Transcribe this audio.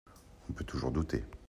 On peut toujours douter.